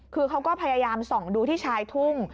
คือเขาก็พยายามส่องดูที่ชายทุ่ง